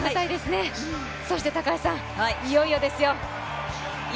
そして高橋さん、いよいよですよ。